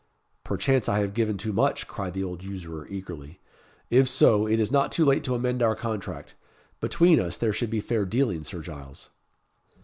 "Perchance I have given too much," cried the old usurer, eagerly; "if so, it is not too late to amend our contract. Between us, there should be fair dealing, Sir Giles."